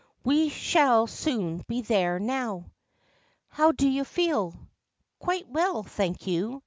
We shall soon be there now. How do you feel ?'' Quite well, thank you